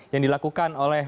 yang dilakukan oleh